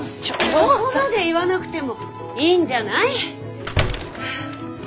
そこまで言わなくてもいいんじゃない？